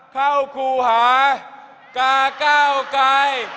เข้าครูหากาก้าวไกร